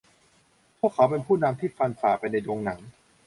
พวกเขาเป็นผู้นำที่ฟันผ่าไปในดงหนาม